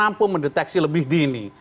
mampu mendeteksi lebih dini